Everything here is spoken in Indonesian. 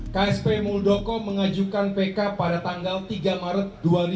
ksp muldoko mengajukan pk pada tanggal tiga maret dua ribu dua puluh